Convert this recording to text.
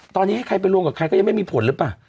ตอนนี้ให้ใครไปรวมกับใครก็ยังไม่มีผลหรือเปล่า